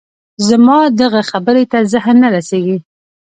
زما دغه خبرې ته ذهن نه رسېږي